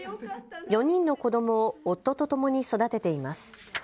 ４人の子どもを夫とともに育てています。